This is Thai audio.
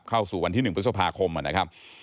เข้าสู่วันที่๑พฤษภาคมนะครับ